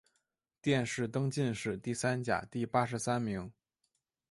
殿试登进士第三甲第八十三名。